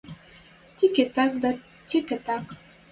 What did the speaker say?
Тики-тик дӓ теке-тек.